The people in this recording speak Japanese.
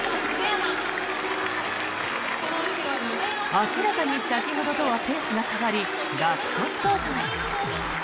明らかに先ほどとはペースが変わりラストスパートへ。